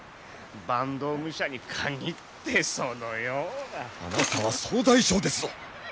坂東武者に限ってそのような。あなたは総大将ですぞ！